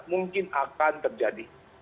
mungkin akan terjadi